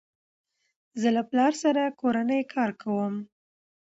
زه له پلار سره کورنی کار کوم.